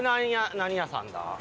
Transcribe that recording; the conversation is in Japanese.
何屋さんだ？